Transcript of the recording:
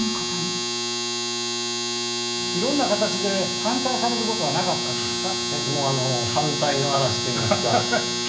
いろんな形で反対されることはなかったんですか？